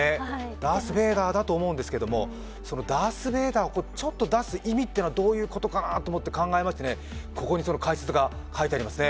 ダース・ベイダーだったと思うんですけど、そのダース・ベイダーをちょっと出す意味というのはどういうことかなと考えまして、ここに解説が書いてありますね。